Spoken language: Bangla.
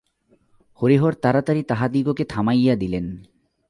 হরিহর তাড়াতাড়ি তাহাদিগকে থামাইয়া দিলেন।